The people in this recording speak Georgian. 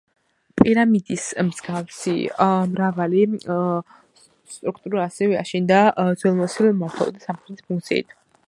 პირამიდის მსგავსი მრავალი სტრუქტურა ასევე აშენდა ძლევამოსილ მმართველთა სამარხის ფუნქციით.